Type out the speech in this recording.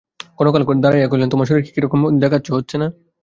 ক্ষণকাল দাঁড়াইয়া কহিলেন, তোমার শরীর কী রকম হয়ে যাচ্ছে দেখছ না?